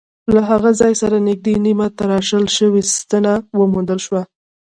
له هغه ځای سره نږدې نیمه تراشل شوې ستنه وموندل شوه.